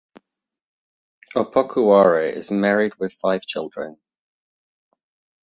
Opoku Ware is married with five children.